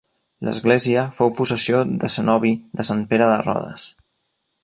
L'església fou possessió del cenobi de Sant Pere de Rodes.